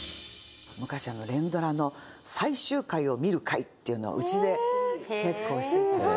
「昔連ドラの最終回を見る会っていうのをうちで結構してたんですね」